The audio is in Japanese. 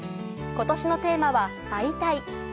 今年のテーマは「会いたい！」。